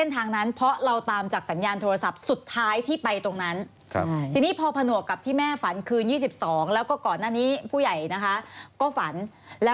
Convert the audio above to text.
ต้องใช้คำว่าหลายสิบจะเป็นร้อยด้วยซ้ำ